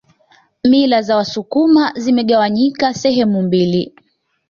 Mila za wasukuma zimegawanyika sehemu mbili